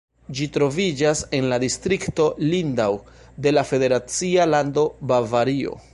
Ĝi troviĝas en la distrikto Lindau de la federacia lando Bavario.